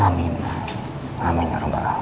amin mbak amin ya rambang